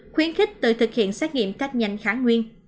khuyến khích tự thực hiện